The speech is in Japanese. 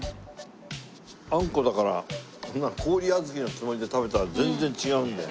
あんこだから氷小豆のつもりで食べたら全然違うんだよ。